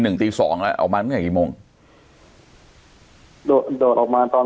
ตีสองแล้วออกมาเมื่อไหกี่โมงโดดโดดออกมาตอน